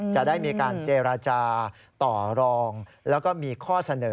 จะได้มีการเจรจาต่อรองแล้วก็มีข้อเสนอ